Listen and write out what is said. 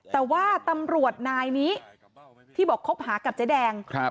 แต่ว่าตำรวจนายนี้ที่บอกคบหากับเจ๊แดง